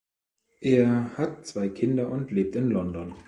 Er hat zwei Kinder und lebt in London.